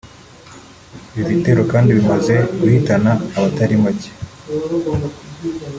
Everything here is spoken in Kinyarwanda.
Ibi bitero kandi bimaze guhitana abatari bake